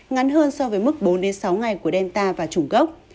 ngắn hơn so với mức bốn sáu ngày của delta và chủng gốc